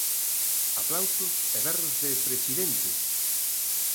Aplausos e berros de presidente!